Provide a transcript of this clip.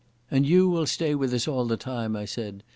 "And you will stay with us all the time," I said.